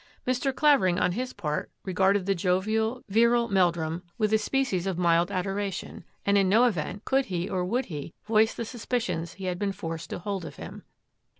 Mr. Clavering, on his part, regarded the jovial, virile Meldrum with a species of mild adoration and in no event could he or would he voice the sus picions he had been forced to hold of him.